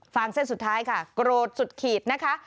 เส้นสุดท้ายค่ะโกรธสุดขีดนะคะ